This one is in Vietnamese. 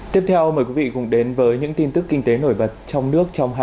tiếp theo mời quý vị cùng đến với những tin tức kinh tế nổi bật trong nước trong hai mươi bốn h qua